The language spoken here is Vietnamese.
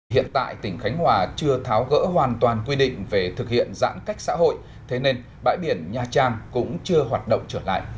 hiện tại tỉnh khánh hòa chưa tháo gỡ hoàn toàn quy định về thực hiện giãn cách xã hội thế nên bãi biển nha trang cũng chưa hoạt động trở lại